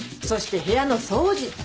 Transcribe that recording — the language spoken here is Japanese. そして部屋の掃除。